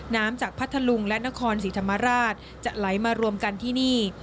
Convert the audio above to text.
น้ำจากพัทธลุงและนครศรีธรรมราชจะไหลมารวมกันที่นี่